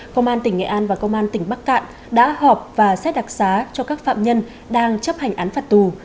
công an tỉnh nghệ an và công an tỉnh bắc cạn đã họp và xét đặc xá cho các phạm nhân đang chấp hành án phạt tù